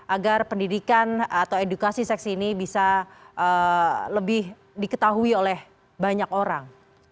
agar pendidikan atau edukasi seks ini bisa lebih diketahui oleh banyak orang